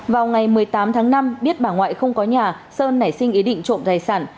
vào ngày một mươi tám tháng năm biết bà ngoại không có nhà sơn nảy sinh ý định trộm tài sản